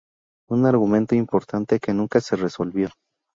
Un argumento importante que nunca se resolvió.